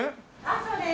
そうです。